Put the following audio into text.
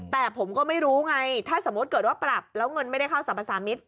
แต่ผมก็ไม่รู้ไงถ้าสมมติเกิดว่าปรับแล้วเงินไม่ได้เข้าสรรพสามิตร